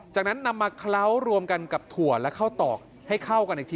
จากนั้นนำมาเคล้ารวมกันกับถั่วและข้าวตอกให้เข้ากันอีกที